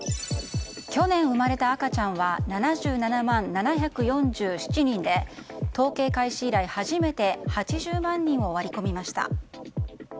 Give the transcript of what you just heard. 去年生まれた赤ちゃんは７７万７４７人で統計開始以来初めて８０万人を割り込みました。